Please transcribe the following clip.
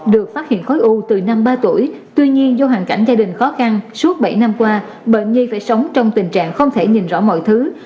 được phát hiện khối u từ năm ba tuổi tuy nhiên do hoàn cảnh gia đình khó khăn suốt bảy năm qua bệnh nhi phải sống trong tình trạng không thể nhìn rõ mọi thứ